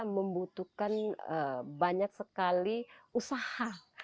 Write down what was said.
membutuhkan banyak sekali usaha